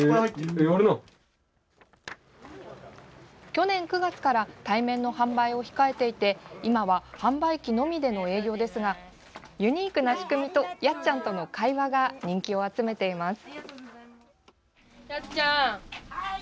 去年９月から対面の販売を控えていて今は販売機のみでの営業ですがユニークな仕組みとやっちゃんとの会話が人気を集めています。